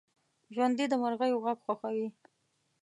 ژوندي د مرغیو غږ خوښوي